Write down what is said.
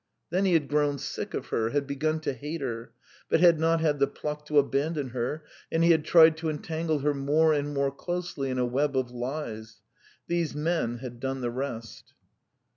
Then he had grown sick of her, had begun to hate her, but had not had the pluck to abandon her, and he had tried to entangle her more and more closely in a web of lies. ... These men had done the rest.